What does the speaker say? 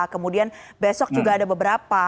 kemudian besok juga ada beberapa